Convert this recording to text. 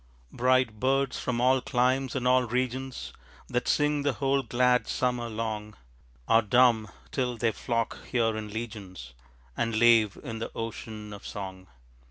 Bright birds from all climes and all regions That sing the whole glad summer long, Are dumb, till they flock here in legions And lave in the ocean of song.